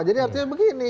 jadi artinya begini